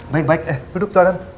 baik baik eh duduk sekarang